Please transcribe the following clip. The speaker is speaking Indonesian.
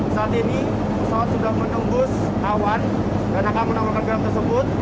saat ini pesawat sudah menembus awan dan akan menawarkan garam tersebut